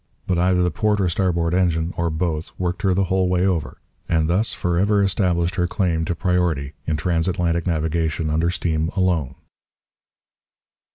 But either the port or starboard engine, or both, worked her the whole way over, and thus for ever established her claim to priority in transatlantic navigation under steam alone.